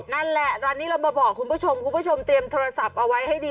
นั่นแหละร้านนี้เรามาบอกคุณผู้ชมคุณผู้ชมเตรียมโทรศัพท์เอาไว้ให้ดี